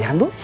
ya kan bu